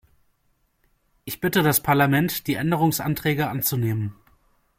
Ich bitte das Parlament, die Änderungsanträge anzunehmen.